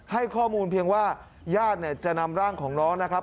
ให้ข้อมูลเพียงว่าญาติเนี่ยจะนำร่างของน้องนะครับ